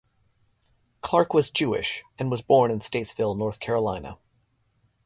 Clarke was Jewish, and was born in Statesville, North Carolina.